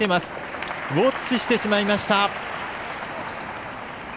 ウォッチしてしまいました。